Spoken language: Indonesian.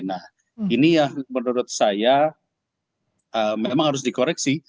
nah ini yang menurut saya memang harus dikoreksi